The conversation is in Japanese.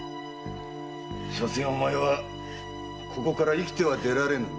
しょせんお前はここから生きては出られぬ身。